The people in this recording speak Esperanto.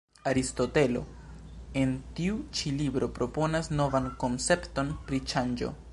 Aristotelo en tiu ĉi libro proponas novan koncepton pri ŝanĝo.